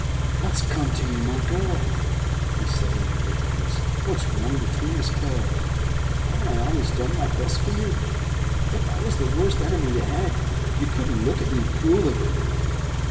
'What's come to you, my girl?' he said in a thick voice. 'What's wrong between us, Clara? Haven't I always done my best for you? If I was the worst enemy you had, you couldn't look at me crueller.